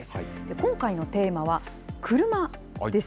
今回のテーマは車です。